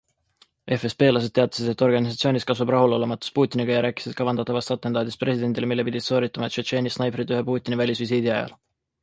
FSBlased teatasid, et organisatsioonis kasvab rahulolematus Putiniga ja rääkisid kavandatavast atentaadist presidendile, mille pidid sooritama tšetšeeni snaiprid ühe Putini välisvisiidi ajal.